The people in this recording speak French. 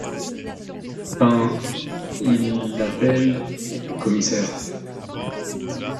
Ben, il… appelle, commissaire.